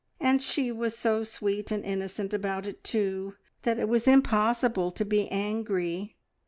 And she was so sweet and innocent about it, too, that it was impossible to be angry.